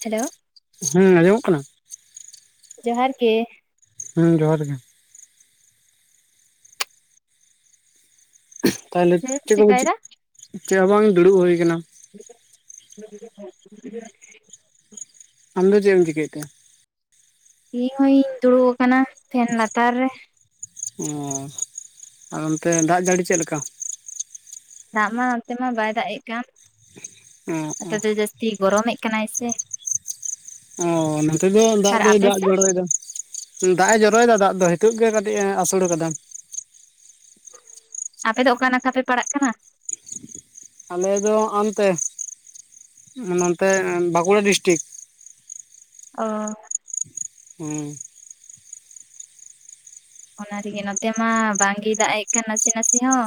Hello ᱦᱩᱸ ᱟᱸᱡᱚᱢᱚᱜ ᱠᱟᱱᱟ ᱡᱚᱦᱟᱨ ᱜᱮ ᱦᱮᱸ ᱡᱚᱦᱟᱨ ᱜᱮᱼᱼ ᱛᱟᱦᱚᱞᱮ ᱮᱢ ᱪᱮᱫ ᱠᱚ ᱪᱮᱫ ᱪᱮᱠᱟᱭᱮᱫᱟ? ᱪᱮᱫ ᱦᱚᱸ ᱵᱟᱝ ᱫᱩᱲᱩᱵ ᱦᱩᱭ ᱠᱟᱱᱟ [inaudible] ᱟᱢ ᱫᱚ ᱪᱮᱫ ᱮᱢ ᱪᱤᱠᱟᱹᱭᱮᱫ ᱛᱮᱼᱼ ᱤᱧ ᱦᱚᱸᱧ ᱤᱧ ᱫᱩᱲᱩᱵ ᱟᱠᱟᱱᱟ ᱯᱷᱮᱱ ᱞᱟᱛᱟᱨ ᱨᱮ ᱚ ᱟᱨ ᱚᱱᱛᱮ ᱫᱟᱜ ᱡᱟᱹᱲᱤ ᱪᱮᱫ ᱞᱮᱠᱟᱼᱼ ᱫᱟᱜ ᱢᱟ ᱱᱚᱱᱛᱮ ᱢᱟ ᱵᱟᱭ ᱫᱟᱜ ᱮᱫ ᱠᱟᱱ ᱚ ᱱᱚᱛᱮ ᱫᱚ ᱡᱟᱹᱥᱛᱤ ᱜᱚᱨᱚᱢ ᱮᱫ ᱠᱟᱱᱟᱭ ᱥᱮᱼᱼ ᱚ ᱱᱚᱛᱮ ᱫᱚ ᱫᱟᱜ ᱟᱨ ᱫᱚᱭ ᱟᱯᱮ ᱫᱟᱜ ᱥᱮᱫ ᱡᱚᱨᱚᱭ ᱮᱫᱟ ᱫᱟᱜ ᱮ ᱡᱚᱨᱚᱭ ᱮᱫᱟ ᱫᱟᱜ ᱫᱚ ᱱᱤᱛᱚᱜ ᱜᱮ ᱠᱟᱹᱴᱤᱡ ᱮ ᱟᱹᱥᱩᱞ ᱟᱠᱟᱫᱟ ᱟᱯᱮ ᱫᱚ ᱚᱠᱟ ᱱᱟᱠᱷᱟ ᱯᱮ ᱯᱟᱲᱟᱜ ᱠᱟᱱᱟ ᱟᱞᱮ ᱫᱚ ᱱᱟᱦᱟᱱ ᱛᱮ ᱱᱚᱱᱛᱮ ᱵᱟᱸᱠᱩᱲᱟ ᱰᱤᱥᱴᱤᱠ ᱚ ᱦᱩᱸ ᱚᱱᱟ ᱨᱮ ᱜᱮ ᱱᱚᱛᱮ ᱢᱟ ᱵᱟᱝᱜᱮᱭ ᱫᱟᱜ ᱮᱫ ᱠᱟᱱ ᱱᱟᱥᱮ ᱱᱟᱥᱮ ᱦᱚᱸᱼᱼ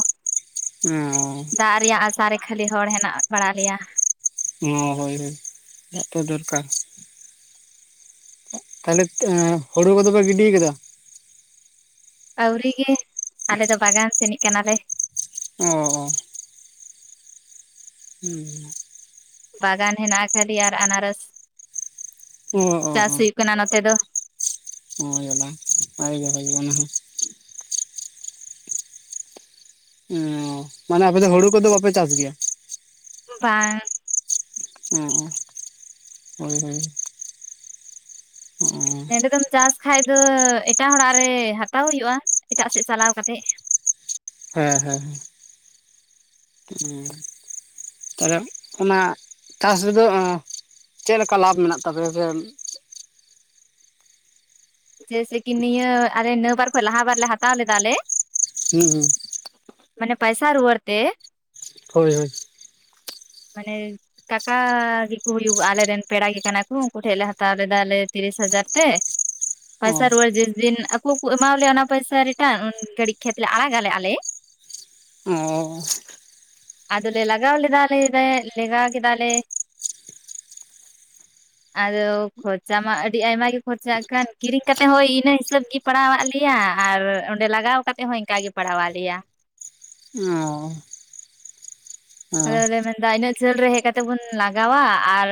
[unintelligible] ᱫᱟᱜ ᱨᱮᱭᱟᱜ ᱟᱥᱟᱨᱮ ᱠᱷᱟᱹᱞᱤ ᱦᱚᱲ ᱦᱮᱱᱟᱜ ᱵᱟᱲᱟ ᱞᱮᱭᱟ ᱚ ᱦᱳᱭ ᱦᱳᱭ ᱫᱟᱜ ᱛᱚ ᱫᱚᱨᱠᱟᱨᱼᱼ ᱛᱟᱦᱚᱞᱮ ᱦᱩᱲᱩ ᱠᱚ ᱫᱚ ᱯᱮ ᱜᱤᱰᱤ ᱟᱠᱟᱫᱟ ᱟᱹᱣᱨᱤ ᱜᱮ ᱟᱞᱮ ᱫᱚ ᱵᱟᱜᱟᱱ ᱥᱮᱱᱤᱡ ᱠᱟᱱᱟᱞᱮ ᱚ ᱦᱚᱼᱼ [unintelligible] ᱵᱟᱜᱟᱱ ᱦᱮᱱᱟᱜ-ᱟ ᱠᱷᱟᱹᱞᱤ ᱟᱨ ᱟᱱᱟᱨᱚᱥ᱾ ᱚ ᱚ ᱚ, [unintelligible] ᱱᱚᱛᱮ ᱫᱚ, [unintelligible] [unintelligible] ᱩᱸ ᱢᱟᱱᱮ ᱟᱯᱮ ᱫᱚ ᱦᱩᱲᱩ ᱠᱚᱫᱚ ᱵᱟᱯᱮ ᱪᱟᱥ ᱜᱮᱭᱟ? ᱵᱟᱝ᱾ ᱚ ᱦᱳᱭ ᱦᱳᱭ, ᱚᱸ ᱱᱚᱸᱰᱮ ᱫᱚᱢ ᱪᱟᱥ ᱠᱷᱟᱡ ᱫᱚ ᱮᱴᱟᱜ ᱦᱚᱲᱟᱜ ᱨᱮ ᱦᱟᱛᱟᱣ ᱦᱩᱭᱩᱜᱼᱟ ᱮᱴᱟᱜ ᱥᱮᱫ ᱪᱟᱞᱟᱣ ᱠᱟᱛᱮᱜ᱾ ᱦᱮᱸ ᱦᱮᱸ ᱦᱮᱸ ᱦᱩᱸ, ᱛᱟᱦᱞᱮ ᱚᱱᱟ ᱪᱟᱥ ᱨᱮᱫᱚ ᱪᱮᱫᱞᱮᱠᱟ ᱞᱟᱵᱷ ᱢᱮᱱᱟᱜ ᱛᱟᱯᱮᱭᱟ ᱟᱯᱮᱭᱟᱜ? ᱡᱮᱭᱥᱮ ᱠᱤ ᱱᱤᱭᱟᱹ ᱟᱞᱮ ᱱᱟᱹᱵᱟᱨ ᱠᱷᱚᱡ ᱞᱟᱦᱟ ᱵᱟᱨ ᱞᱮ ᱦᱟᱛᱟᱣ ᱞᱮᱫᱟᱞᱮ᱾ ᱦᱩᱸ ᱦᱩᱸ, ᱢᱟᱱᱮ ᱯᱟᱭᱥᱟ ᱨᱩᱣᱟᱹᱲ ᱛᱮ, ᱦᱳᱭ ᱦᱳᱭ᱾ ᱢᱟᱱᱮ, ᱠᱟᱠᱟ ᱜᱮᱠᱚ ᱦᱩᱭᱩᱜᱼᱟ ᱟᱞᱮᱨᱮᱱ ᱯᱮᱲᱟ ᱜᱮ ᱠᱟᱱᱟ ᱠᱚ ᱩᱱᱠᱩ ᱴᱷᱮᱡ ᱞᱮ ᱦᱟᱛᱟᱣ ᱞᱮᱫᱟᱞᱮ ᱛᱤᱨᱤᱥ ᱦᱟᱡᱟᱨ ᱛᱮ᱾ ᱚ ᱯᱚᱭᱥᱟ ᱨᱩᱣᱟᱹᱲ ᱡᱮᱥ ᱫᱤᱱ ᱟᱠᱚ ᱠᱚ ᱮᱢᱣᱟ ᱞᱮᱭᱟ ᱚᱱᱟ ᱯᱚᱭᱥᱟ ᱨᱤᱴᱟᱨᱱ ᱜᱷᱟᱹᱲᱤᱡ ᱠᱷᱮᱛ ᱞᱮ ᱟᱲᱟᱜᱟᱞᱮ ᱟᱞᱮ᱾ ᱚ, ᱟᱫᱚᱞᱮ ᱞᱟᱜᱟᱣ ᱞᱮᱫᱟᱞᱮ ᱞᱮᱜᱟᱣ ᱠᱮᱫᱟᱞ ᱞᱮ ᱟᱫᱚ ᱠᱷᱚᱨᱪᱟ ᱢᱟ ᱟᱹᱰᱤ ᱟᱭᱢᱟ ᱜᱮ ᱠᱷᱚᱨᱪᱟᱜ ᱠᱟᱱ ᱠᱤᱨᱤᱧ ᱠᱟᱛᱮ ᱦᱚᱸᱭ ᱤᱱᱟᱹ ᱦᱤᱥᱟᱹᱵ ᱜᱮ᱾ ᱯᱟᱲᱟᱣ ᱟᱫ ᱞᱮᱭᱟ ᱟᱨ ᱚᱸᱰᱮ ᱞᱟᱜᱟᱣ ᱠᱟᱛᱮᱫ ᱦᱚᱸ ᱤᱱᱠᱟᱹ ᱜᱮ ᱯᱟᱲᱟᱣᱟᱜ ᱞᱮᱭᱟ᱾ ᱚ, ᱚ ᱟᱫᱚᱞᱮ ᱢᱮᱱᱫᱟ ᱤᱱᱟᱹᱜ ᱡᱷᱟᱹᱞ ᱨᱮ ᱦᱮᱡ ᱠᱟᱛᱮᱫ ᱵᱚᱱ ᱞᱟᱜᱟᱣᱟ ᱟᱨ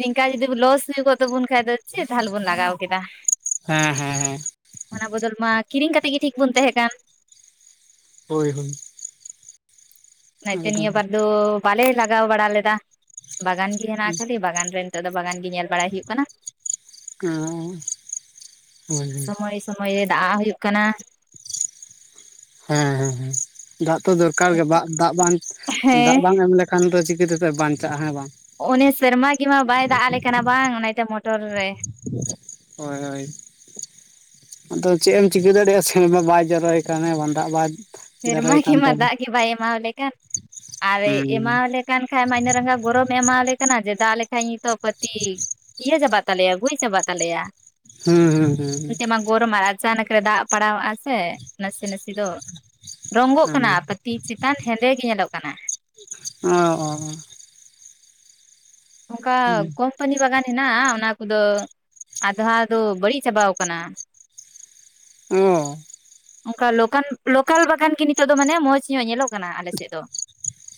ᱱᱤᱝᱠᱟ ᱡᱩᱚᱫᱤ ᱞᱚᱥ ᱦᱩᱭ ᱠᱚᱜ ᱛᱟᱵᱚᱱ ᱠᱷᱟᱡ ᱫᱚ ᱪᱮᱫ ᱛᱟᱦᱚᱞᱮ ᱵᱚᱱ ᱞᱟᱜᱟᱣ ᱠᱮᱫᱟ? ᱦᱮᱸ ᱦᱮᱸ ᱦᱮᱸ, ᱚᱱᱟ ᱵᱚᱫᱚᱞ ᱢᱟ ᱠᱤᱨᱤᱧ ᱠᱟᱛᱮ ᱜᱮ ᱴᱷᱤᱠ ᱵᱚᱱ ᱛᱟᱦᱮᱸ ᱠᱟᱱ᱾ ᱦᱳᱭ ᱦᱳᱭ᱾ ᱚᱱᱟᱛᱮ ᱮᱠᱫᱚᱢ ᱱᱤᱭᱟᱹ ᱵᱟᱨ ᱫᱚ ᱵᱟᱞᱮ ᱞᱟᱜᱟᱣ ᱵᱟᱲᱟ ᱞᱮᱫᱟ ᱵᱟᱜᱟᱱ ᱜᱮ ᱦᱮᱱᱟᱜᱼᱟ ᱠᱷᱟᱹᱞᱤ ᱵᱟᱜᱟᱱ ᱨᱮ ᱱᱤᱛᱚᱜ ᱫᱚ ᱵᱟᱜᱟᱱ ᱜᱮ ᱧᱮᱞ ᱵᱟᱲᱟᱭ ᱦᱩᱭᱩᱜᱜ ᱠᱟᱱᱟ᱾ ᱚ, ᱥᱚᱢᱚᱭ ᱥᱚᱢᱚᱭᱮ ᱫᱟᱜᱟᱜ ᱦᱩᱭᱩᱜ ᱠᱟᱱᱟ᱾ ᱦᱮᱸ ᱦᱮᱸ ᱦᱮᱸ, ᱫᱟᱜ ᱛᱚ ᱫᱚᱨᱠᱟᱨ ᱜᱮ ᱵᱟᱜ ᱫᱟᱜ ᱵᱟᱝ ᱫᱟᱜ ᱦᱮᱸ ᱵᱟᱝ ᱮᱢ ᱞᱮᱠᱷᱟᱱ ᱫᱚ ᱪᱤᱠᱟᱹᱛᱮᱫᱚ ᱵᱟᱧᱪᱟᱜᱼᱟ ᱦᱮᱸ ᱵᱟᱝ? ᱚᱱᱮ ᱥᱮᱨᱢᱟ ᱜᱮᱢᱟ ᱵᱟᱭ ᱫᱟᱜ ᱟᱞᱮ ᱠᱟᱱᱟ ᱵᱟᱝ ᱚᱱᱟᱛᱮ ᱢᱚᱴᱚᱨ ᱨᱮ [inaudible] ᱦᱳᱭ ᱦᱳᱭ᱾ ᱟᱫᱚ ᱪᱮᱫ ᱮᱢ ᱪᱤᱠᱟᱹ ᱫᱟᱲᱮᱭᱟᱜᱼᱟ ᱥᱮᱨᱢᱟ ᱵᱟᱭ ᱡᱚᱨᱚᱭ ᱠᱷᱟᱱ ᱦᱮᱸ ᱵᱟᱝ ᱫᱟᱜ ᱵᱟᱭ ᱥᱮᱨᱢᱟ ᱡᱚᱨᱚᱭ ᱠᱟᱱ ᱜᱮᱢᱟ ᱛᱟᱞᱮ ᱫᱟᱜ ᱜᱮ ᱵᱟᱭ ᱮᱢᱟ ᱟᱞᱮ ᱠᱟᱱ ᱟᱨᱮ ᱮᱢᱟ ᱦᱩᱸ ᱟᱞᱮ ᱠᱟᱱ ᱠᱷᱟᱱ ᱢᱟ ᱤᱱᱟᱹ ᱨᱟᱸᱜᱟᱣ ᱜᱚᱨᱚᱢᱮ ᱮᱢᱟᱣᱟᱞᱮ ᱠᱟᱱᱟ ᱡᱮ ᱫᱟᱜ ᱞᱮᱠᱟᱱ ᱱᱤᱛᱚᱜ ᱯᱟᱹᱛᱤ ᱤᱭᱟᱹ ᱪᱟᱵᱟᱜ ᱛᱟᱞᱮᱭᱟ ᱜᱚᱡ ᱪᱟᱵᱟᱜ ᱛᱟᱞᱮᱭᱟ᱾ ᱦᱩᱸ ᱦᱤᱸ ᱦᱩᱸ, ᱢᱤᱫᱴᱮᱡ ᱢᱟ ᱜᱚᱨᱚᱢ ᱟᱨ ᱟᱪᱟᱱᱟᱚᱠ ᱨᱮ ᱫᱟᱜ ᱯᱟᱲᱟᱣᱟᱜᱼᱟ ᱥᱮ ᱱᱟᱥᱮ ᱱᱟᱥᱮ ᱫᱚ᱾ ᱨᱚᱸᱜᱚᱜ ᱦᱩᱸ ᱠᱟᱱᱟ ᱯᱟᱹᱛᱤ ᱪᱮᱛᱟᱱ ᱦᱮᱸᱫᱮ ᱜᱮ ᱧᱮᱞᱚᱜ ᱠᱟᱱᱟ᱾ [unintelligible] ᱚᱱᱠᱟ ᱦᱩᱸ ᱠᱚᱢ ᱯᱟᱱᱤ ᱵᱟᱜᱟᱱ ᱦᱮᱱᱟᱜᱼᱟ ᱚᱱᱟ ᱠᱚᱫᱚ ᱟᱫᱷᱟ ᱫᱚ ᱵᱟᱹᱲᱤᱡ ᱪᱟᱵᱟᱣ ᱠᱟᱱᱟ᱾ ᱚ, ᱚᱱᱠᱟ ᱞᱳᱠᱟᱱ ᱞᱳᱠᱟᱞ ᱵᱟᱜᱟᱱ ᱜᱤ ᱱᱤᱛᱚᱜ ᱫᱚ ᱢᱟᱱᱮ ᱢᱚᱸᱡᱽ ᱧᱚᱜ ᱧᱮᱞᱚᱜ ᱠᱟᱱᱟ ᱟᱞᱮᱥᱮᱫ ᱫᱚ᱾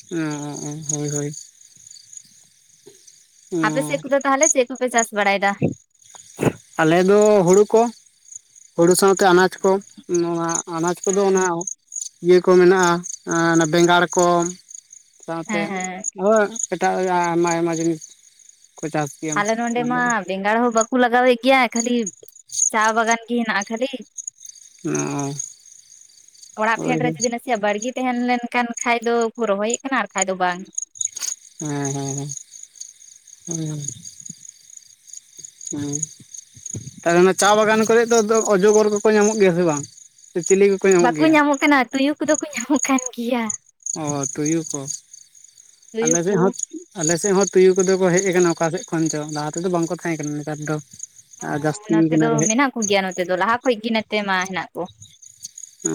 ᱦᱩᱸ ᱦᱩᱸ ᱦᱳᱭ ᱦᱳᱭ᱾ ᱚ ᱟᱯᱮᱥᱮᱫ ᱠᱚᱫᱚ ᱛᱟᱦᱚᱞᱮ ᱪᱮᱫ ᱠᱚᱯᱮ ᱪᱟᱥ ᱵᱟᱲᱟᱭ ᱫᱟ? ᱟᱞᱮ ᱫᱚ ᱦᱩᱬᱩ ᱠᱚ ᱦᱩᱲᱩ ᱥᱟᱶᱛᱮ ᱟᱱᱟᱡᱽ ᱠᱚ ᱱᱚᱣᱟ ᱟᱱᱟᱡᱽ ᱠᱚᱫᱚ ᱚᱱᱟ ᱤᱭᱟᱹ ᱠᱚ ᱢᱮᱱᱟᱜᱼᱟ ᱟ ᱚᱱᱟ ᱵᱮᱸᱜᱟᱲ ᱠᱚ ᱥᱟᱶᱛᱮ ᱦᱮᱸ ᱦᱮᱸ ᱦᱳ ᱮᱴᱟᱜ ᱟᱭᱢᱟ ᱟᱭᱢᱟ ᱡᱤᱱᱤᱥ ᱠᱚ ᱪᱟᱥ ᱜᱮᱭᱟ ᱟᱞᱮ ᱱᱚᱸᱰᱮ ᱢᱟ ᱵᱮᱸᱜᱟᱲ ᱦᱚᱸ ᱵᱟᱹᱠᱩ ᱞᱟᱜᱟᱣᱮᱫ ᱜᱮᱭᱟ ᱠᱷᱟᱹᱞᱤ ᱪᱟ ᱵᱟᱜᱟᱱ ᱜᱮ ᱦᱮᱱᱟᱜᱼᱟ ᱠᱷᱟᱹᱞᱤ᱾ ᱚ ᱚᱲᱟᱜ ᱦᱳᱭ ᱯᱷᱮᱰ ᱦᱳᱭ ᱨᱮ ᱦᱮᱸ ᱡᱩᱫᱤ ᱱᱟ ᱥᱮᱭᱟᱜ ᱵᱟᱹᱲᱜᱤ ᱛᱟᱦᱮᱸᱱ ᱞᱮᱱ ᱠᱷᱟᱱ ᱠᱷᱟᱡ ᱫᱚ ᱨᱚᱦᱚᱭᱮᱫ ᱠᱟᱱᱟ ᱟᱨ ᱠᱷᱟᱡ ᱫᱚ ᱵᱟᱝ᱾ ᱦᱮᱸ ᱦᱮᱸ ᱦᱮᱸ, ᱦᱩ, ᱦᱮᱸ, ᱛᱟᱦᱞᱮ ᱚᱱᱟ ᱪᱟ ᱵᱟᱜᱟᱱ ᱠᱚᱨᱮᱜ ᱫᱚ ᱟᱫᱚ ᱚᱡᱚᱜᱚᱨ ᱠᱚᱠᱚ ᱧᱟᱢᱚᱜ ᱜᱮᱭᱟ ᱥᱮ ᱵᱟᱝ᱾ ᱥᱮ ᱪᱤᱞᱤ ᱵᱟᱠᱩ ᱧᱟᱢᱚᱜ ᱠᱟᱱᱟ ᱛᱩᱭᱩ ᱠᱚᱫᱚ ᱠᱩ ᱧᱟᱢᱚᱜ ᱠᱟᱱ ᱜᱮᱭᱟ᱾ ᱚ ᱛᱩᱭᱩ ᱠᱚ, ᱛᱩᱭᱩ ᱟᱞᱮᱥᱮᱫ ᱠᱚ ᱦᱚᱸ ᱟᱞᱮ ᱥᱮᱫ ᱦᱚᱸ ᱛᱩᱭᱩ ᱠᱚᱫᱚ ᱠᱚ ᱦᱮᱡ ᱠᱟᱱᱟ ᱚᱠᱟ ᱥᱮᱫ ᱠᱷᱚᱱ ᱪᱚ, ᱞᱟᱦᱟ ᱛᱮᱫᱚ ᱵᱟᱝᱠᱚ ᱛᱟᱦᱮᱸ ᱠᱟᱱᱟ ᱱᱮᱛᱟᱨ ᱫᱚ ᱡᱟᱹᱥᱛᱤ ᱱᱚᱛᱮ ᱫᱚ ᱠᱟᱱᱟ ᱠᱚ ᱦᱮᱡ ᱢᱮᱱᱟᱜ ᱠᱚᱜᱮᱭᱟ ᱱᱚᱛᱮ ᱫᱚ ᱞᱟᱦᱟ ᱠᱷᱚᱡ ᱜᱮ ᱱᱚᱛᱮ ᱢᱟ ᱦᱮᱱᱟᱜ ᱠᱚ᱾ ᱚ,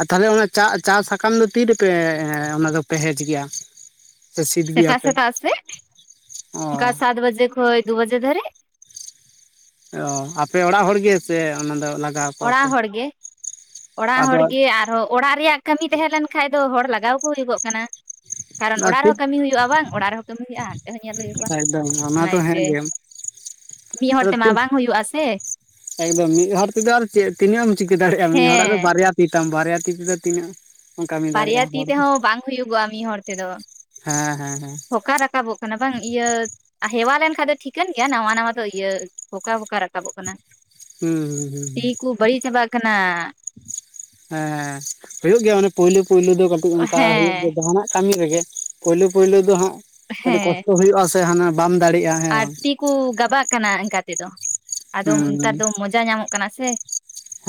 ᱟᱨ ᱛᱟᱦᱞᱮ ᱚᱱᱟ ᱪᱟ, ᱪᱟ ᱥᱟᱠᱟᱢ ᱫᱚ ᱛᱤ ᱨᱮᱯᱮ ᱚᱱᱟ ᱫᱚᱯᱮ ᱦᱮᱡᱽ ᱜᱮᱭᱟ? ᱥᱮ ᱥᱤᱫ ᱥᱮᱛᱟᱜ ᱜᱮᱭᱟᱯᱮ ᱥᱮᱛᱟᱜ ᱥᱮᱫ ᱚᱱᱠᱟ ᱚ ᱥᱟᱛ ᱵᱟᱡᱮ ᱠᱷᱚᱡ ᱫᱳ ᱵᱟᱡᱮ ᱫᱷᱟᱨᱤᱡ᱾ ᱚᱻ ᱟᱯᱮ ᱚᱲᱟᱜ ᱦᱚᱲ ᱜᱮ ᱥᱮ ᱚᱱᱟ ᱫᱚ ᱞᱟᱜᱟᱣ? ᱠᱚᱣᱟᱯᱮ? ᱚᱲᱟᱜ ᱦᱚᱲ ᱜᱮ, ᱚᱲᱟᱜ ᱦᱚᱲ ᱟᱫᱚ ᱜᱮ ᱟᱨᱦᱚᱸ ᱚᱲᱟᱜ ᱨᱮᱭᱟᱜ ᱠᱟᱹᱢᱤ ᱛᱟᱦᱮᱸ ᱞᱮᱱ ᱠᱷᱟᱡ ᱫᱚ ᱦᱚᱲ ᱞᱟᱜᱟᱣ ᱠᱚ ᱦᱩᱭ ᱠᱚᱜ ᱠᱟᱱᱟ᱾ ᱠᱟᱨᱚᱱ ᱚᱲᱟᱜ ᱴᱷᱤᱠ ᱨᱮᱦᱚᱸ ᱠᱟᱹᱢᱤ ᱦᱩᱭᱩᱜᱼᱟ ᱵᱟᱝ, ᱚᱲᱟᱜ ᱨᱮᱦᱚᱸ ᱠᱟᱹᱢᱤ ᱦᱩᱭᱩᱜᱼᱟ ᱦᱟᱱᱛᱮ ᱦᱚᱸ ᱧᱮᱞ ᱦᱩᱭᱩᱜᱚᱜᱼᱟ᱾ ᱮᱠᱫᱚᱢ ᱚᱱᱟ ᱫᱚ ᱦᱮᱸ ᱜᱮᱢ, ᱢᱤᱫ ᱦᱚᱲ ᱛᱮᱢᱟ ᱵᱟᱝ ᱦᱩᱭᱩᱼᱟ ᱥᱮ, ᱮᱠᱫᱚᱢ ᱢᱤᱫ ᱦᱚᱲ ᱛᱮᱫᱚ ᱟᱨ ᱪᱮ ᱛᱤᱱᱟᱹᱜ ᱮᱢ ᱪᱤᱠᱟᱹ ᱫᱟᱲᱮᱭᱟᱜᱼᱟ ᱢᱤᱫ ᱦᱚᱲᱟᱜ ᱫᱚ ᱦᱮᱸ ᱵᱟᱨᱭᱟ ᱛᱤ ᱛᱟᱢ ᱵᱟᱨᱭᱟ ᱛᱤ ᱛᱮᱫᱚ ᱛᱤᱱᱟᱹᱜ, ᱮᱢ ᱠᱟᱹᱢᱤ ᱵᱟᱨᱭᱟ ᱫᱟᱲᱮᱭᱟᱜᱼᱟ ᱛᱤ ᱦᱚᱲ ᱫᱚ᱾ ᱛᱮᱦᱚᱸ ᱵᱟᱝ ᱦᱩᱭᱩᱜᱚᱜᱼᱟ ᱢᱤᱫ ᱦᱚᱲ ᱛᱮᱫᱚ᱾ ᱦᱮᱸ ᱦᱮᱸ ᱦᱮᱸ ᱛᱷᱚᱠᱟ ᱨᱟᱠᱟᱵᱚᱜ ᱠᱟᱱᱟ ᱵᱟᱝ ᱤᱭᱟ ᱦᱮᱣᱟ ᱞᱮᱱᱠᱷᱟ ᱫᱚ ᱴᱷᱤᱠᱟᱹᱱ ᱜᱮᱭᱟ ᱱᱟᱣᱟ ᱱᱟᱣᱟ ᱫᱚ ᱤᱭᱟᱹ ᱵᱚᱠᱟ ᱵᱚᱠᱟ ᱨᱟᱠᱟᱵᱚᱜ ᱠᱟᱱᱟ᱾ ᱦᱩᱸ ᱦᱩᱸ ᱦᱩᱸ ᱛᱤ ᱠᱩ ᱵᱟᱹᱲᱤᱡ ᱪᱟᱵᱟᱜ ᱠᱟᱱᱟ, ᱦᱮᱸ ᱦᱩᱭᱩᱜ ᱜᱮᱭᱟ ᱚᱱᱮ ᱯᱳᱭᱞᱳ ᱯᱳᱭᱞᱳ ᱫᱚ ᱠᱟᱹᱡ ᱚᱱᱠᱟ ᱦᱩᱭᱩᱜ ᱦᱮᱸ ᱜᱮᱭᱟ ᱡᱟᱦᱟᱱᱟᱜ ᱠᱟᱹᱢᱤ ᱨᱮᱜᱮ ᱯᱩᱭᱞᱩ ᱯᱩᱭᱞᱩ ᱫᱚ ᱦᱟᱸᱜ ᱠᱟᱴᱤᱡ ᱦᱮᱸ ᱠᱚᱥᱴᱚ ᱦᱩᱭᱩᱜᱼᱟ ᱥᱮ ᱦᱟᱱᱟ ᱵᱟᱢ ᱫᱟᱲᱮᱜᱼᱟ᱾ ᱟᱨ ᱛᱤ ᱠᱩ ᱜᱟᱵᱟᱜ ᱠᱟᱱᱟ ᱮᱝᱠᱟ ᱛᱮᱫᱚ, ᱟᱫᱚ ᱦᱩᱸ ᱱᱮᱛᱟᱨ ᱫᱚ ᱢᱚᱡᱟ ᱧᱟᱢᱚᱜ ᱠᱟᱱᱟ ᱥᱮ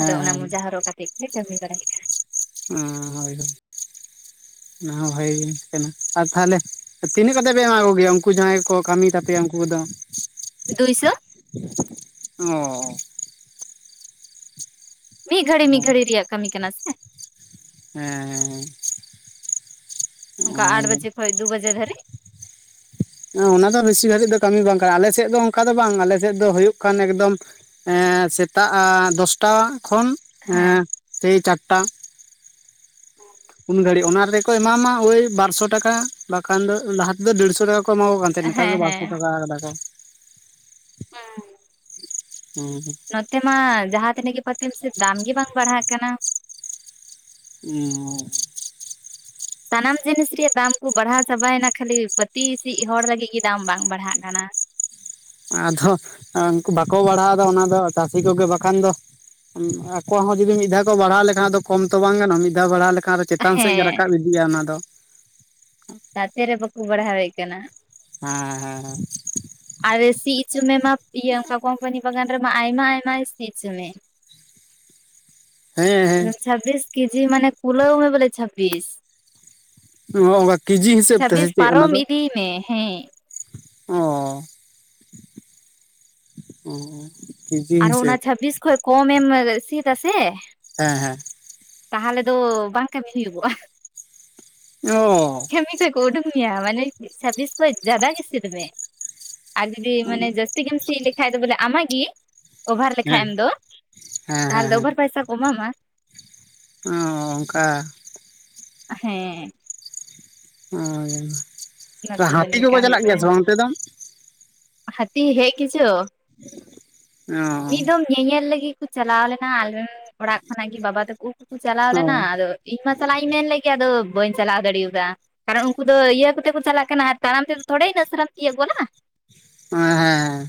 ᱟᱫᱚ ᱚᱱᱟ ᱢᱚᱡᱟ ᱦᱮᱸ ᱦᱚᱨᱚᱜ ᱠᱟᱛᱮ ᱛᱮᱫ ᱜᱮ ᱠᱟᱹᱢᱤ ᱵᱟᱲᱟ ᱦᱩᱭᱩᱜ ᱠᱟᱱᱟ᱾ ᱚ ᱦᱳᱭᱳᱭ ᱚᱱᱟ ᱦᱚᱸ ᱵᱷᱟᱜᱤ ᱜᱮ ᱠᱟᱱᱟ, ᱟᱨ ᱛᱟᱦᱚᱞᱮ ᱛᱤᱱᱟᱹᱜ ᱠᱟᱛᱮᱫ ᱯᱮ ᱮᱢᱟ ᱠᱚ ᱜᱮᱭᱟ ᱩᱱᱠᱩ ᱡᱟᱦᱟᱸᱭ ᱠᱚ ᱠᱟᱹᱢᱤ ᱛᱟᱯᱮᱭᱟ ᱩᱱᱠᱩ ᱫᱚ? ᱫᱩᱭᱥᱚ᱾ ᱚ᱾ ᱢᱤᱫ ᱜᱷᱟᱹᱲᱤ ᱢᱤᱫ ᱜᱷᱟᱹᱲᱤ ᱨᱮᱭᱟᱜ ᱠᱟᱹᱢᱤ ᱠᱟᱱᱟ ᱥᱮ᱾ ᱦᱮᱸ ᱦᱮᱸ ᱦᱮᱸ᱾ ᱱᱚᱠᱟ ᱟᱴ ᱵᱟᱡᱮ ᱠᱷᱚᱡ ᱫᱩ ᱵᱟᱡᱮ ᱫᱷᱟᱹᱨᱤᱡ᱾ ᱚᱱᱟ ᱫᱚ ᱵᱤᱥᱤ ᱵᱷᱟᱜᱤᱡ ᱫᱚ ᱠᱟᱹᱢᱤ ᱫᱟ ᱵᱟᱝ ᱠᱟᱱᱟ ᱟᱞᱮ ᱥᱮᱫ ᱫᱚ ᱚᱱᱠᱟ ᱫᱚ ᱵᱟᱝ ᱟᱞᱮᱥᱮᱫ ᱫᱚ ᱦᱩᱭᱩᱜᱜ ᱠᱟᱱ ᱮᱠᱫᱚᱢ ᱮ ᱥᱮᱛᱟᱜ ᱫᱚᱥᱴᱟ ᱠᱷᱚᱱ ᱦᱮᱸ ᱥᱮᱭ ᱪᱟᱴᱴᱟ᱾ ᱩᱱ ᱜᱷᱲᱹᱤ ᱚᱱᱟ ᱨᱮᱠᱚ ᱮᱢᱟᱢᱟ ᱚᱭ ᱵᱟᱨᱥᱚ ᱴᱟᱠᱟ ᱵᱟᱠᱷᱟᱱ ᱫᱚ ᱞᱟᱦᱟ ᱛᱮᱫᱚ ᱰᱮᱲᱥᱚ ᱴᱟᱠᱟ ᱠᱚ ᱮᱢᱟ ᱠᱚ ᱠᱟᱱ ᱱᱮᱛᱟᱨ ᱦᱮᱸ ᱫᱚ ᱦᱮᱸ ᱵᱟᱨᱥᱚ ᱴᱟᱠᱟ ᱠᱟᱫᱟ ᱠᱚ, ᱦᱩᱸ᱾ ᱱᱚᱛᱮ ᱢᱟ ᱡᱟᱦᱟᱸ ᱛᱤᱱᱟᱹᱜ ᱜᱮ ᱯᱟᱹᱛᱤᱢ ᱥᱮ ᱫᱟᱢ ᱜᱮ ᱵᱟᱝ ᱵᱟᱲᱦᱟᱜ ᱠᱟᱱᱟ᱾ ᱚᱸ᱾ ᱥᱟᱱᱟᱢ ᱡᱤᱱᱤᱥ ᱨᱮᱭᱟᱜ ᱫᱟᱢ ᱠᱚ ᱵᱟᱲᱦᱟᱣ ᱪᱟᱵᱟᱭᱮᱱᱟ ᱠᱷᱟᱹᱞᱤ ᱯᱟᱹᱛᱤᱥᱤᱜ ᱦᱚᱲ ᱞᱟᱹᱜᱤᱫ ᱜᱮ ᱫᱟᱢ ᱵᱟᱝ ᱵᱟᱲᱦᱟᱜ ᱠᱟᱱᱟ᱾ ᱟᱫᱚ ᱩᱱᱠᱩ ᱵᱟᱠᱚ ᱵᱟᱲᱦᱟᱣᱫᱟ ᱚᱱᱟ ᱫᱚ ᱪᱟᱹᱥᱤ ᱠᱚᱜᱮ ᱵᱟᱠᱷᱟᱱ ᱫᱚ ᱟᱠᱚ ᱟᱜ ᱦᱚᱸ ᱡᱩᱫᱤ ᱢᱤᱫ ᱫᱷᱟᱣ ᱠᱚ ᱵᱟᱲᱦᱟᱣ ᱞᱮᱠᱷᱟᱱ ᱫᱚ ᱠᱚᱢ ᱛᱚ ᱵᱟᱝ ᱜᱟᱱᱼᱟ ᱢᱤᱫᱷᱟᱣ ᱵᱟᱲᱦᱟᱣ ᱞᱮᱠ ᱨᱮ ᱪᱮᱛᱟᱱ ᱥᱮᱫ ᱜᱮ ᱦᱮᱸ ᱨᱟᱠᱟᱵ ᱤᱫᱤᱜᱼᱟ ᱚᱱᱟ ᱫᱚ᱾ ᱠᱟᱪᱮ ᱨᱮ ᱵᱟᱠᱚ ᱵᱟᱲᱦᱟᱣᱮᱫ ᱠᱟᱱᱟ᱾ ᱦᱮᱸ ᱦᱮᱸ ᱦᱮᱸ᱾ ᱟᱨ ᱥᱤ ᱚᱪᱚ ᱢᱮᱢᱟ ᱚᱱᱠᱟ ᱠᱢᱯᱟᱱᱤ ᱵᱟᱜᱟᱱ ᱨᱮᱢᱟ ᱟᱭᱢᱟ ᱟᱭᱢᱟ ᱥᱤ ᱚᱪᱚ ᱢᱮ᱾ ᱦᱮᱸ ᱦᱮᱸ᱾ ᱪᱷᱟᱵᱤᱥ ᱠᱮᱡᱤ ᱢᱟᱱᱮ ᱠᱩᱞᱟᱹᱣ ᱢᱮ ᱵᱚᱞᱮ ᱪᱷᱟᱹᱵᱤᱥ᱾ ᱚ ᱚᱱᱠᱟ ᱠᱮᱡᱤ ᱦᱤᱥᱟᱹᱵ ᱛᱮ ᱥᱮ ᱪᱷᱟᱵᱵᱤᱥ ᱪᱮᱫ ᱚᱱᱟ ᱯᱟᱨᱚᱢ ᱫᱚ? ᱤᱫᱤᱭ ᱦᱮᱸ᱾ ᱚ ᱚ᱾ ᱠᱮᱡᱤ ᱟᱨᱚ ᱚᱱᱟ ᱦᱤᱥᱟᱹᱵ ᱪᱷᱟᱵᱤᱥ ᱠᱷᱚᱱ ᱠᱚᱢᱮ ᱮᱢ ᱥᱤ ᱮᱫᱟ ᱥᱮ ᱦᱮᱸ ᱦᱮᱸ᱾ ᱛᱟᱦᱚᱞᱮ ᱫᱚ ᱵᱟᱝ ᱠᱟᱹᱢᱤ ᱦᱩᱭᱩᱜᱚᱜᱼᱟ᱾ ᱚ᱾ ᱠᱟᱹᱢᱤ ᱠᱷᱚᱡ ᱠᱚ ᱩᱰᱩᱠ ᱢᱮᱭᱟ, ᱢᱟᱱᱮ ᱪᱷᱟᱵᱤᱥ ᱠᱷᱚᱡ ᱡᱟᱫᱟ ᱜᱮ ᱥᱤᱫ ᱢᱮ᱾ ᱟᱨ ᱡᱩᱫᱤ ᱦᱮᱸ ᱢᱟᱱᱮ ᱡᱟᱹᱥᱛᱤ ᱜᱮᱢ ᱥᱤ ᱞᱮᱠᱷᱟᱡ ᱫᱚ ᱵᱚᱞᱮ ᱟᱢ ᱜᱮ ᱚᱵᱷᱟᱨ ᱞᱮᱠᱷᱟ ᱮᱢ ᱫᱚ, ᱦᱮᱸ ᱛᱟᱦᱚᱞᱮ ᱫᱚ ᱦᱮᱸ ᱚᱵᱷᱟᱨ ᱯᱟᱭᱥᱟ ᱠᱚ ᱮᱢᱟᱢᱟ᱾ ᱚ ᱚᱱᱠᱟ᱾ ᱦᱮᱸ᱾ ᱚ ᱱᱚᱛᱮ ᱫᱚ ᱦᱟᱹᱛᱤ ᱫᱚᱠᱚ ᱱᱤᱝᱠᱟ ᱪᱟᱞᱟᱜ ᱜᱮᱭᱟ ᱥᱮ ᱵᱟᱝ ᱚᱱᱛᱮ ᱫᱚ? ᱦᱟᱛᱤ ᱦᱮᱡ ᱜᱮᱪᱚ᱾ ᱚ᱾ ᱧᱮᱧᱮᱞ ᱞᱟᱹᱜᱤᱫ ᱠᱚ ᱪᱟᱞᱟᱣ ᱞᱮᱱᱟ ᱟᱞᱮ ᱨᱮᱱ ᱚᱲᱟᱜ ᱠᱷᱚᱱᱟᱜ ᱜᱮ ᱵᱟᱵᱟ ᱛᱟᱠᱚ᱾ ᱠᱩ ᱪᱟᱞᱟᱣ ᱞᱮᱱᱟ ᱟᱫᱚ ᱤᱧ ᱢᱟ ᱪᱟᱞᱟᱜ ᱤᱧ ᱢᱮᱱ ᱞᱮᱫ ᱜᱮ ᱟᱫᱚ ᱵᱟᱹᱧ ᱪᱟᱞᱟᱣ ᱫᱟᱲᱮᱟᱫᱟ ᱠᱟᱨᱚᱱ ᱩᱱᱠᱩ ᱫᱚ ᱤᱭᱟᱹ ᱠᱚ ᱛᱮ ᱠᱚ ᱪᱟᱞᱟᱜ ᱠᱟᱱᱟ ᱟᱨ ᱛᱟᱲᱟᱢ ᱛᱮᱫᱚ ᱛᱷᱚᱲᱮ ᱤᱱᱟᱹᱥᱟᱨᱟᱢ ᱛᱤᱭᱚᱜ ᱜᱚᱱᱟ᱾ ᱚ ᱦᱮᱸ ᱦᱮᱸ᱾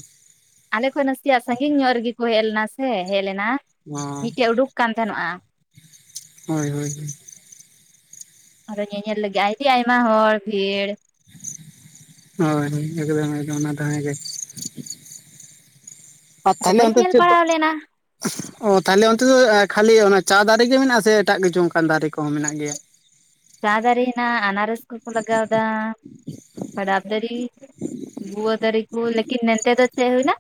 ᱟᱞᱮ ᱠᱷᱚᱱ ᱱᱟᱥᱮᱭᱟᱜ ᱥᱟᱺᱜᱤᱧ ᱧᱚᱜ ᱨᱮᱜᱮ ᱠᱚ ᱦᱮᱡ ᱞᱮᱱᱟ ᱥᱮ ᱦᱮᱡ ᱞᱮᱱᱟ, ᱚ ᱢᱤᱫᱴᱮᱡ ᱩᱰᱩᱠ ᱠᱟᱱ ᱛᱟᱦᱮᱱᱚᱜᱼᱟ᱾ ᱦᱚᱭ ᱦᱚᱭ ᱦᱚᱭ᱾ ᱟᱨᱚ ᱧᱮᱧᱮᱞ ᱞᱟᱹᱜᱤᱫ ᱟᱹᱰᱤ ᱟᱭᱢᱟ ᱦᱚᱲ ᱵᱷᱤᱲ᱾ ᱦᱳᱭ [unintelligible] ᱚᱱᱟ ᱫᱚ ᱦᱮᱜᱮ᱾ ᱟᱨ ᱟᱫᱚ ᱛᱟᱦᱚᱞᱮ ᱵᱟᱹᱧ ᱚᱱᱛᱮ ᱧᱮᱞ ᱪᱮᱫ ᱫᱚ᱾ ᱯᱟᱲᱟᱣ ᱞᱮᱱᱟ ᱚ ᱛᱟᱦᱞᱮ ᱚᱱᱛᱮ ᱫᱚ ᱠᱷᱟᱹᱞᱤ ᱚᱱᱟ ᱪᱟ ᱫᱟᱨᱮ ᱜᱮ ᱢᱮᱱᱟᱜᱼᱟ ᱥᱮ ᱮᱴᱟᱜ ᱠᱤᱪᱷᱩ ᱚᱱᱠᱟᱱ ᱫᱟᱨᱮ ᱠᱚ ᱢᱮᱱᱟᱜ ᱜᱮᱭᱟ᱾᱾ [inaudible] ᱪᱟ ᱫᱟᱹᱨᱤ ᱦᱮᱱᱟᱜ-ᱟ ᱟᱱᱟᱨᱚᱥ ᱠᱚᱠᱚ ᱞᱟᱜᱟᱣ ᱮᱫᱟ ᱰᱟᱵᱽ ᱫᱟᱹᱨᱤ ᱜᱩᱣᱟ ᱫᱟᱹᱨᱤ ᱠᱚ ᱞᱮᱠᱤᱱ ᱱᱮᱱᱛᱮ ᱫᱚ ᱪᱮᱫ ᱦᱩᱭ ᱮᱱᱟ᱾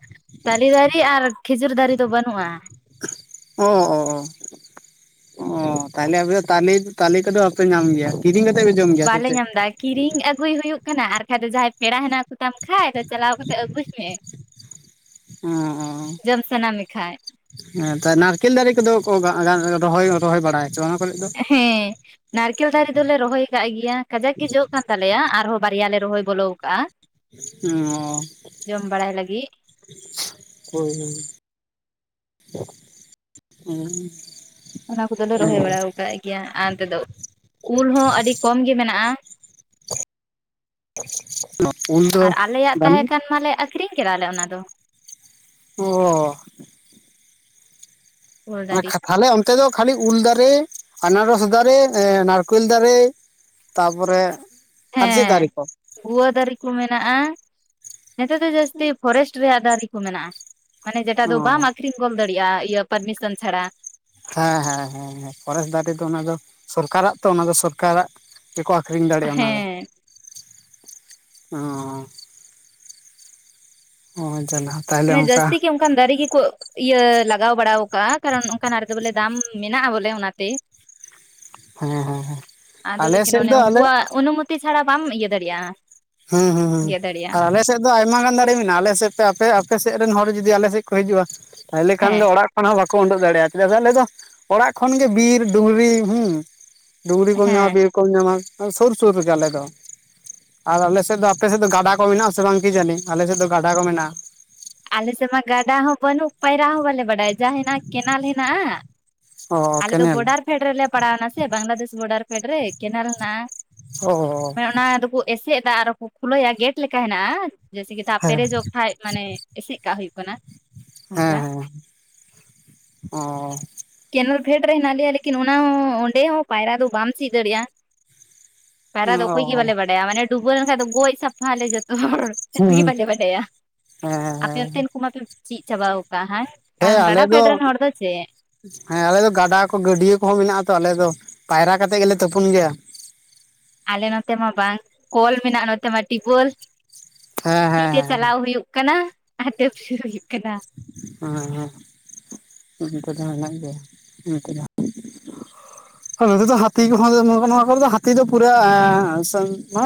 ᱛᱟᱞᱮ ᱫᱟᱨᱤ ᱟᱨ ᱠᱷᱤᱡᱩᱨ ᱫᱟᱨᱤ ᱫᱚ ᱵᱟᱹᱱᱩᱜᱼᱟ᱾ ᱚᱻᱚᱻᱚᱻᱚᱻ ᱛᱟᱦᱚᱞᱮ ᱟᱯᱮ ᱫᱚ ᱛᱟᱞᱮ ᱛᱟᱞᱮ ᱠᱚᱫᱚ ᱵᱟᱯᱮ ᱧᱟᱢ ᱜᱮᱭᱟ᱾ ᱠᱤᱨᱤᱧ ᱠᱟᱛᱮ ᱯᱮ ᱡᱚᱢ᱾ ᱜᱮᱭᱟ ᱥᱮ ᱵᱟᱞᱮ ᱪᱮᱫ ᱧᱟᱢ ᱫᱟ ᱮᱠ ᱠᱤᱨᱤᱧ ᱟᱹᱜᱩᱭ ᱦᱩᱭᱩᱜ ᱠᱟᱱᱟ ᱟᱨᱠᱷᱟᱡ ᱫᱚ ᱡᱟᱦᱟᱸᱭ ᱯᱮᱲᱟ ᱦᱮᱱᱟᱜ ᱠᱚᱛᱟᱢ ᱠᱷᱟᱡ ᱪᱟᱞᱟᱣ ᱠᱟᱛᱮ ᱟᱹᱜᱩᱭ ᱢᱮ᱾ ᱚᱻᱚᱻ᱾ ᱡᱚᱢ ᱥᱟᱱᱟ ᱢᱮᱠᱷᱟᱡ ᱦᱮᱸ [unintelligible] ᱱᱟᱨᱠᱮᱞ ᱫᱟᱨᱮ ᱠᱚᱫᱚ ᱠᱚ ᱜᱟᱜ ᱨᱚᱦᱚᱭ ᱨᱚᱦᱚᱭ ᱵᱟᱲᱟᱭ ᱪᱚ ᱚᱱᱟ ᱠᱚᱨᱮ ᱫᱚ᱾ ᱦᱮᱸᱻ᱾ ᱱᱟᱲᱠᱮᱞ ᱫᱟᱨᱮ ᱫᱚᱞᱮ ᱨᱚᱦᱚᱭ ᱟᱠᱟᱟᱜ ᱱᱟᱨᱠᱮᱞ ᱫᱟᱲᱮ ᱫᱚᱞᱮ ᱨᱚᱦᱚᱭ ᱟᱠᱟᱫ ᱜᱮᱭᱟ ᱠᱟᱡᱟᱠ ᱜᱮ ᱡᱚᱜ ᱠᱟᱱ ᱛᱟᱞᱮᱭᱟ ᱟᱨᱦᱚᱸ ᱵᱟᱨᱭᱟ ᱞᱮ ᱨᱚᱦᱚᱭ ᱵᱚᱞᱚ ᱟᱠᱟᱜᱼᱟ᱾ ᱚᱻ᱾ ᱡᱚᱢ ᱵᱟᱲᱟᱭ ᱞᱟᱹᱜᱤᱫ ᱦᱳᱭ ᱦᱳᱭ ᱦᱩᱸᱻ᱾ ᱚᱱᱟ ᱠᱚᱫᱚ ᱞᱮ ᱨᱚᱦᱚᱭ ᱵᱟᱲᱟᱭ ᱟᱠᱟᱫ ᱜᱮᱭᱟ ᱟᱨ ᱚᱱᱛᱮ ᱫᱚ ᱩᱞ ᱦᱚᱸ ᱟᱹᱰᱤ ᱠᱚᱢ ᱜᱮ ᱢᱮᱱᱟᱜᱼᱟ᱾ ᱩᱞ ᱫᱚ ᱟᱨ ᱟᱞᱮᱭᱟᱜ ᱛᱟᱦᱮᱸ ᱵᱟᱹᱱᱩᱜ ᱠᱟᱱ ᱢᱟᱞᱮ ᱟᱠᱷᱨᱤᱧ ᱠᱮᱫᱟᱞᱮ ᱚᱱᱟ ᱫᱚ᱾ ᱚᱻ᱾ ᱩᱞ ᱫᱟᱨᱮ [unintelligible] ᱛᱟᱦᱞᱮ ᱚᱱᱛᱮ ᱫᱚ ᱠᱷᱟᱞᱞᱤ ᱩᱞ ᱫᱟᱨᱮ ᱟᱱᱟᱨᱚᱥ ᱫᱟᱨᱮ ᱱᱟᱲᱠᱮᱞ ᱫᱟᱨᱮ᱾ ᱛᱟᱨ ᱯᱚᱨᱮ ᱟᱨ ᱪᱮᱫ ᱫᱟᱨᱮ ᱦᱮᱸ ᱠᱚ᱾ ᱜᱩᱣᱟᱹ ᱫᱟᱨᱮ ᱠᱚ ᱢᱮᱱᱟᱜᱼᱟ ᱱᱮᱛᱟᱨ ᱫᱚ ᱡᱟᱹᱥᱛᱤ ᱯᱷᱚᱨᱮᱥᱴ ᱨᱮᱭᱟᱜ ᱫᱟᱨᱮ ᱠᱚ ᱢᱮᱱᱟᱜᱼᱟ᱾ ᱢᱟᱱᱮ ᱡᱮᱴᱟ ᱚ ᱫᱚ ᱵᱟᱢ ᱟᱠᱷᱨᱤᱧ ᱜᱚᱫ ᱫᱟᱲᱮᱭᱟᱜᱼᱟ ᱤᱭᱟᱹ ᱯᱟᱨᱢᱤᱥᱚᱱ ᱪᱷᱟᱲᱟ᱾ ᱦᱮᱸ ᱦᱮᱸ ᱦᱮᱸᱦᱮᱸ ᱯᱷᱚᱨᱮᱥᱴ ᱫᱟᱨᱮ ᱫᱚ ᱚᱱᱟ ᱫᱚ ᱥᱚᱨᱠᱟᱨᱟᱜ ᱛᱚ ᱚᱱᱟ ᱫᱚ ᱥᱚᱨᱠᱟᱨᱟᱜ᱾ [unintelligible] ᱟᱠᱷᱨᱤᱧ ᱫᱟᱲᱮᱭᱟᱜᱼᱟ ᱚᱱᱟ ᱫᱚ ᱦᱮᱸ ᱚᱻ᱾ ᱚᱻ ᱡᱟᱞᱟ᱾ ᱛᱟᱦᱚᱞᱮ ᱢᱟᱱᱮ ᱚᱱᱠᱟ ᱡᱟᱥᱛᱤ ᱜᱮ ᱩᱱᱠᱩ᱾ ᱚᱱᱠᱟᱱ ᱫᱟᱨᱮ ᱜᱮᱠᱩ ᱤᱭᱟᱹ ᱞᱟᱜᱟᱣ ᱵᱟᱲᱟ ᱠᱟᱜᱼᱟ ᱠᱟᱨᱚᱱ ᱚᱱᱠᱟᱱᱟᱜ ᱨᱮᱫᱚ ᱵᱚᱞᱮ ᱫᱟᱢ ᱢᱮᱱᱟᱜᱼᱟ ᱵᱚᱞᱮ ᱚᱱᱟ ᱛᱮ᱾ ᱦᱮᱸ ᱦᱮᱸ ᱦᱮᱸ ᱟᱫᱚ ᱟᱞᱮ ᱞᱮᱠᱤᱱ ᱥᱮᱫ ᱚᱱᱮ ᱫᱚ ᱟᱞᱮ᱾ ᱩᱱᱠᱩᱣᱟᱜ ᱚᱱᱩᱢᱚᱛᱤ ᱪᱷᱟᱲᱟ ᱵᱟᱢ ᱤᱭᱟᱹ ᱫᱟᱲᱮᱭᱟᱜᱼᱟ᱾ ᱦᱩᱸ ᱦᱩᱸ ᱦᱩᱸ ᱜᱮᱫ ᱟᱨ ᱫᱟᱲᱮᱭᱟᱜᱼᱟ ᱟᱞᱮ ᱥᱮᱫ᱾ ᱟᱭᱢᱟ ᱜᱟᱱ ᱫᱟᱲᱮ ᱢᱮᱱᱟᱜᱼᱟ ᱟᱞᱮ ᱥᱮᱫ ᱛᱮ ᱟᱯᱮ ᱟᱯᱮ ᱥᱮᱫ ᱨᱮᱱ ᱦᱚᱲ ᱡᱩᱫᱤ ᱟᱞᱮ ᱥᱮᱫ ᱠᱚ ᱦᱤᱡᱩᱜᱼᱟ᱾ ᱛᱟᱦᱚᱞᱮ ᱠᱷᱟᱱ ᱫᱚ ᱦᱮᱸ ᱚᱲᱟᱜ ᱠᱷᱚᱱ ᱦᱚᱸ ᱛᱟᱦᱟᱞᱮ ᱠᱷᱟᱱ ᱫᱚ ᱚᱲᱟᱜ ᱠᱷᱟᱱᱟᱜ ᱵᱟᱠᱚ ᱩᱰᱩᱜ ᱫᱟᱲᱮᱭᱟᱜᱼᱟ ᱛᱟᱦᱟᱞᱮ ᱫᱚ ᱚᱲᱟᱜ ᱠᱷᱚᱱ ᱜᱮ ᱵᱤᱨ ᱰᱩᱝᱨᱤ ᱦᱩᱸ᱾ ᱰᱩᱝᱨᱤ ᱠᱚᱢ ᱧᱟᱢᱟ ᱦᱮᱸ ᱵᱤᱨ ᱠᱚᱢ ᱧᱟᱢᱟ ᱥᱩᱨ ᱥᱩᱨ ᱨᱮᱜᱮ ᱟᱞᱮ ᱫᱚ᱾ ᱟᱨ ᱟᱞᱮ ᱥᱮᱫ ᱫᱚ ᱟᱨ ᱟᱯᱮ ᱥᱮᱫ ᱫᱚ ᱜᱟᱰᱟ ᱠᱚ ᱢᱮᱱᱟᱜᱼᱟ ᱥᱮ ᱵᱟᱝ ᱠᱤ ᱡᱟᱱᱤ ᱟᱞᱮ ᱥᱮᱫ ᱫᱚ ᱜᱟᱰᱟ ᱠᱚ ᱢᱮᱱᱟᱜᱼᱟ᱾ ᱟᱞᱮ ᱥᱮᱫ ᱢᱟ ᱜᱟᱰᱟ ᱦᱚᱸ ᱵᱟᱹᱱᱩᱜ ᱯᱟᱭᱨᱟ ᱦᱚᱸ ᱵᱟᱞᱮ ᱵᱟᱰᱟᱭᱟ ᱡᱟ ᱦᱮᱱᱟᱜ ᱠᱮᱱᱮᱞ ᱦᱮᱱᱟᱜᱼᱟ᱾ ᱚ ᱟᱞᱮ ᱫᱚ ᱠᱮᱱᱮᱞ ᱵᱚᱰᱟᱨ ᱯᱷᱮᱰ ᱨᱮᱞᱮ ᱯᱟᱲᱟᱣ ᱮᱱᱟ ᱥᱮ ᱵᱟᱝᱞᱟᱫᱮᱥ ᱵᱚᱰᱟᱨ ᱯᱷᱮᱰ ᱨᱮ ᱠᱮᱱᱮᱞ ᱦᱮᱱᱟᱜ-ᱟ᱾ ᱚ ᱢᱟᱱᱮ ᱚᱱᱟ ᱫᱚᱠᱚ ᱮᱥᱮᱫ ᱮᱫᱟ ᱟᱨᱦᱚ ᱠᱚ ᱠᱷᱩᱞᱟᱹᱭᱟ ᱜᱮᱴ ᱞᱮᱠᱟ ᱦᱮᱱᱟᱜᱼᱟ ᱡᱮᱥᱮ ᱠᱤ ᱫᱟᱜ ᱦᱮᱸ ᱯᱮᱨᱮᱡᱚᱜ᱾ ᱦᱟᱡ ᱢᱟᱱᱮ ᱮᱥᱮᱫ ᱠᱟᱜ ᱦᱩᱭᱩᱜ ᱠᱟᱱᱟ᱾ ᱚᱱᱠᱟ ᱦᱮᱸᱻ ᱦᱮᱸᱻ ᱚᱸᱻ᱾ ᱠᱮᱱᱮᱞ ᱯᱷᱮᱰ ᱨᱮ ᱦᱮᱱᱟᱜ ᱞᱮᱭᱟ ᱞᱮᱠᱤᱱ ᱚᱱᱟ ᱦᱚᱸ ᱚᱸᱰᱮ ᱦᱚᱸ ᱯᱟᱭᱨᱟ ᱫᱚ ᱵᱟᱢ ᱪᱤᱫ ᱫᱟᱲᱮᱭᱟᱜᱼᱟ᱾ ᱯᱟᱭᱨᱟ ᱫᱚ ᱚ ᱚᱠᱚᱭ ᱜᱮ ᱵᱟᱞᱮ ᱵᱟᱰᱟᱭᱟ ᱢᱟᱱᱮ ᱰᱩᱵᱟᱹ ᱞᱮᱱᱠᱷᱟᱱ ᱫᱚ ᱜᱚᱡ ᱥᱟᱯᱷᱟ ᱟᱞᱮ ᱡᱚᱛᱚ ᱦᱚᱲ᱾ ᱦᱩᱸ ᱚᱠᱚᱭ ᱜᱮ ᱦᱩᱸ ᱵᱟᱞᱮ ᱵᱟᱰᱟᱭᱟ ᱦᱮᱸ ᱟᱯᱮ ᱦᱮᱸ ᱚᱱ ᱛᱮ ᱠᱩᱢᱟ ᱯᱮ᱾ ᱪᱤᱫ ᱪᱟᱵᱟ ᱟᱠᱟᱜ ᱦᱟᱭ ᱦᱮᱸ ᱠᱟᱨᱚᱱ ᱜᱟᱰᱟ ᱟᱞᱮ ᱯᱷᱮᱰ ᱨᱮᱱ ᱦᱚᱲ ᱫᱚ ᱪᱮᱫ᱾ ᱦᱮᱸ ᱟᱞᱮ ᱫᱚ ᱜᱟᱰᱟ ᱠᱚ, ᱜᱟᱹᱰᱤᱭᱟᱹ ᱠᱚᱦᱚᱸ ᱢᱮᱱᱟᱜᱛᱚ ᱟᱞᱮ ᱫᱚ ᱯᱟᱭᱨᱟ ᱠᱟᱛᱮᱜ ᱜᱮᱞᱮ ᱛᱩᱯᱩᱱ ᱜᱮᱭᱟ ᱾ ᱟᱞᱮ ᱱᱚᱛᱮ ᱢᱟ ᱵᱟᱝ ᱠᱚᱞ ᱢᱮᱱᱟᱜᱼᱟ ᱴᱤᱯᱚᱞ ᱾ ᱦᱮᱸ ᱛᱤ ᱦᱮᱸ ᱛᱮ ᱦᱮᱸ ᱪᱟᱞᱟᱣ ᱦᱩᱭᱩᱜ ᱠᱟᱱᱟ ᱟᱴᱚᱯ ᱥᱩᱨᱩ ᱦᱩᱭᱩᱜ ᱠᱟᱱᱟ ᱾ ᱦᱮᱸ ᱦᱮᱸ ᱩᱞ ᱠᱩ ᱫᱚ ᱢᱮᱱᱟᱜ ᱜᱮᱭᱟ ᱩᱞ ᱠᱩ ᱫᱚ ᱱᱚᱛᱮ ᱫᱚ ᱦᱟᱹᱛᱤ ᱠᱚᱦᱚᱸ ᱱᱚᱣᱟ ᱠᱚᱨᱮ ᱦᱟᱹᱛᱤ ᱫᱚ ᱯᱩᱨᱟᱹ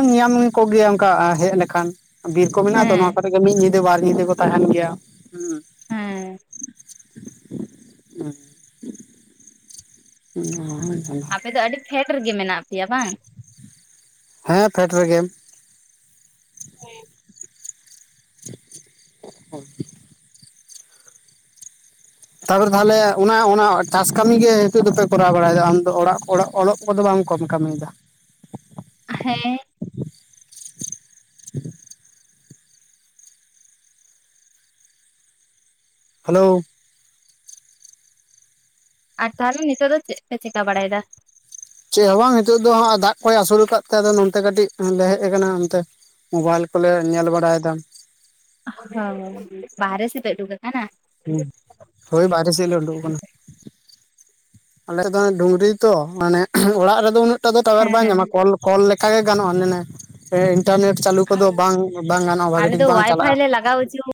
[unintelligible] ᱧᱟᱢ ᱾ ᱠᱚ ᱜᱮ ᱚᱱᱠᱟ ᱦᱮᱡ ᱞᱮᱠᱷᱟᱱ ᱾ ᱵᱤᱨ ᱠᱚ ᱢᱮᱱᱟᱜ-ᱟ ᱛᱚ ᱦᱮᱸ ᱱᱚᱶᱟ ᱠᱚᱨᱮ ᱜᱮ ᱢᱤᱫ ᱧᱤᱫᱟᱹ, ᱵᱟᱨ ᱧᱤᱫᱟᱹ ᱠᱚ ᱛᱟᱦᱮᱱ ᱜᱮᱭᱟ ᱦᱮᱸ ᱾ ᱦᱮᱸ [unintelligible] [inaudible] ᱟᱯᱮ ᱫᱚ ᱟᱹᱰᱤ ᱯᱷᱮᱰ ᱨᱮᱜᱮ ᱢᱮᱱᱟᱜ ᱯᱮᱭᱟ ᱵᱟᱝ? ᱦᱮᱸ ᱯᱷᱮᱰ ᱨᱮᱜᱮᱢ ᱾ ᱦᱮᱸ ᱾ [unintelligible] ᱛᱟᱯᱚᱨᱮ ᱛᱟᱦᱚᱞᱮ ᱚᱱᱟ, ᱚᱱᱟ ᱴᱟᱥ ᱠᱟᱹᱢᱤ ᱜᱮ ᱱᱤᱛᱚᱜ ᱫᱚᱯᱮ ᱠᱚᱨᱟᱣ ᱵᱟᱲᱟᱭᱮᱫᱟ? ᱟᱢᱫᱚ ᱚᱲᱟᱜ ᱚᱲᱟᱜ ᱚᱞᱚᱜ ᱾ ᱠᱚ ᱫᱚ ᱵᱟᱝ ᱠᱚᱢ ᱠᱟᱹᱢᱤᱭᱮᱫᱟ? ᱦᱮᱸ ᱾ [inaudible] ᱦᱮᱞᱳ ᱾ ᱟᱨ ᱛᱟᱦᱚᱞᱮ ᱱᱤᱛᱚᱜ ᱫᱚ ᱪᱮᱫ ᱯᱮ ᱪᱮᱠᱟ ᱵᱟᱲᱟᱭᱮᱫᱟ? ᱪᱮᱫ ᱦᱚᱸ ᱵᱟᱝ ᱱᱤᱛᱚᱜ ᱫᱚ ᱦᱟᱸᱜ ᱫᱟᱜ ᱠᱚᱭ ᱦᱟᱹᱥᱩᱨ ᱟᱠᱟᱫ ᱛᱮ ᱟᱫᱚ ᱱᱚᱛᱮ ᱠᱟᱹᱴᱤᱡ ᱞᱮ ᱦᱮᱡ ᱟᱠᱟᱱᱟ ᱚᱱᱛᱮ ᱾ ᱢᱚᱵᱟᱭᱤᱞ ᱠᱚᱞᱮ ᱧᱮᱞ ᱵᱟᱲᱟᱭᱮᱫᱟ ᱾ ᱦᱚ ᱵᱟᱦᱨᱮ ᱥᱮᱫ ᱯᱮ ᱩᱰᱩᱠ ᱟᱠᱟᱱᱟ? ᱦᱮᱸ ᱦᱚᱭ ᱵᱟᱦᱨᱮ ᱥᱮᱫ ᱞᱮ ᱩᱰᱩᱠ ᱟᱠᱟᱱᱟ ᱾ ᱟᱞᱮ ᱫᱚ ᱰᱩᱝᱨᱤ ᱛᱚ ᱢᱟᱱᱮ ᱚᱲᱟᱜ ᱨᱮᱫᱚ ᱩᱱᱟᱹᱜ ᱾ ᱱᱤᱛᱚᱜ ᱫᱚ ᱴᱟᱣᱟᱨ ᱦᱮᱸ ᱵᱟᱭ ᱦᱮᱸ ᱧᱟᱢᱟ ᱠᱚᱞ, ᱠᱚᱞ ᱞᱮᱠᱟ ᱜᱮ ᱜᱟᱱᱚᱜᱼᱟ ᱦᱟᱹᱱᱤ ᱱᱟᱹᱭ ᱤᱱᱴᱟᱨᱱᱮᱴ ᱾ ᱪᱟᱹᱞᱩ ᱠᱚᱫᱚ ᱵᱟᱝ ᱜᱟᱱᱚᱜᱼᱟ ᱵᱷᱟᱜᱤ ᱟᱞᱮ ᱴᱷᱤᱠ ᱫᱚ ᱵᱟᱝ ᱪᱟᱞᱟᱜᱼᱟ ᱳᱣᱟᱭᱯᱷᱟᱭ ᱾ ᱞᱮ ᱞᱟᱜᱟᱣ ᱦᱚᱪᱚ